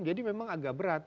jadi memang agak berat